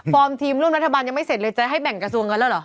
ทีมร่วมรัฐบาลยังไม่เสร็จเลยจะให้แบ่งกระทรวงกันแล้วเหรอ